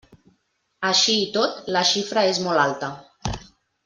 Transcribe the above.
Així i tot, la xifra és molt alta.